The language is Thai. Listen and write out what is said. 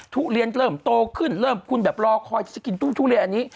ทุเรียนเริ่มโตขึ้นเริ่มคุณแบบรอคอยที่จะกินตุ้งทุเรียนอันนี้